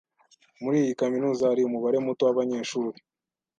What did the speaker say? Muri iyi kaminuza hari umubare muto wabanyeshuri.